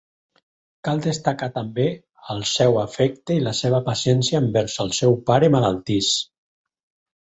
Cal destacar també el seu afecte i la seva paciència envers el seu pare malaltís.